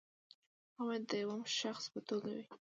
هغه باید د یوه شخص په توګه وي.